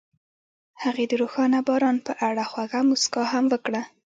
هغې د روښانه باران په اړه خوږه موسکا هم وکړه.